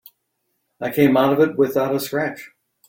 I came out of it without a scratch.